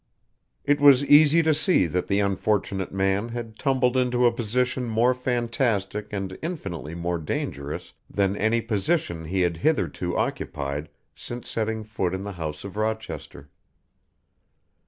It was easy to see that the unfortunate man had tumbled into a position more fantastic and infinitely more dangerous than any position he had hitherto occupied since setting foot in the house of Rochester.